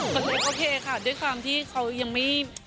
โอเคโอเคค่ะด้วยความที่เขายังไม่